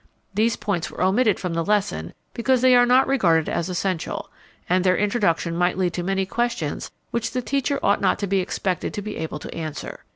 These points were omitted from the lesson because they are not regarded as essential, and their introduction might lead to many questions which the teacher ought not to be expected to be able to answer.